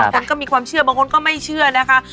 คนก็มีความเชื่อบางคนก็ไม่เชื่อนะคะ